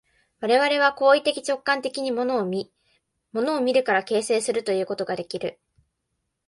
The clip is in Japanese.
我々は行為的直観的に物を見、物を見るから形成するということができる。